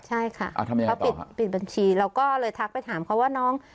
ใช่ค่ะเขาปิดบัญชีเราก็เลยทักไปถามเขาว่าน้อง